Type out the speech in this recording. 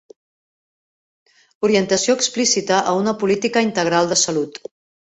Orientació explícita a una política integral de salut.